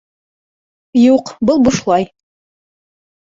Юҡ, был бушлай